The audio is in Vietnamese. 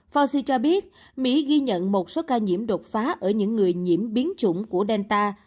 fauci cho biết mỹ ghi nhận một số ca nhiễm đột phá ở những người nhiễm biến chủng của delta